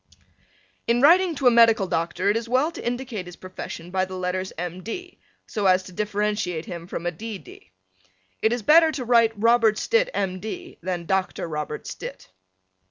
In writing to a medical doctor it is well to indicate his profession by the letters M. D. so as to differentiate him from a D. D. It is better to write Robert Stitt, M. D., than Dr. Robert Stitt.